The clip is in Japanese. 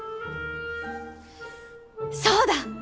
そうだ！